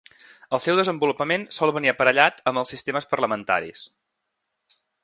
El seu desenvolupament sol venir aparellat amb els sistemes parlamentaris.